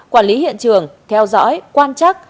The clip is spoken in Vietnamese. quản lý hiện trường theo dõi quan chắc